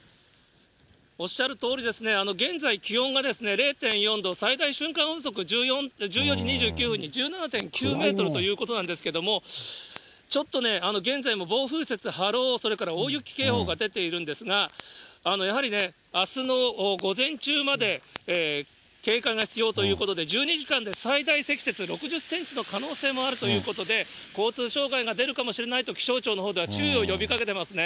おっしゃるとおりですね、現在、気温がですね、０．４度、最大瞬間風速、１４時２９分に１７．９メートルということなんですけれども、ちょっとね、現在も暴風雪、波浪、それから大雪警報が出ているんですが、やはりあすの午前中まで警戒が必要ということで、１２時間で最大積雪６０センチの可能性もあるということで、交通障害が出るかもしれないと、気象庁のほうでは注意を呼びかけていますね。